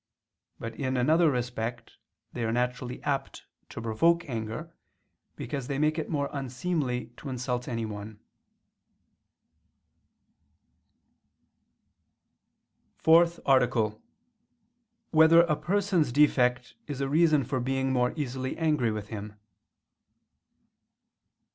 But in another respect they are naturally apt to provoke anger, because they make it more unseemly to insult anyone. ________________________ FOURTH ARTICLE [I II, Q. 47, Art. 4] Whether a Person's Defect Is a Reason for Being More Easily Angry with Him?